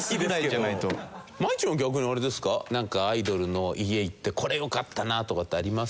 なんかアイドルの家行ってこれ良かったなとかってあります？